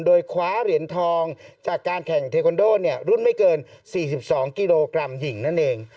โดยคว้าเหรียญทองจากการแข่งเทคอนโดเนี่ยรุ่นไม่เกิน๔๒กิโลกรัมหญิงนั่นเอง